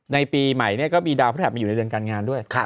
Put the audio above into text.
ในปีใหม่เนี่ยก็มีดาวพระธรรมอยู่ในเรือนกันงานด้วย